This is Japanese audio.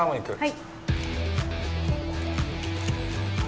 はい。